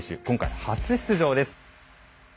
今回初出場です。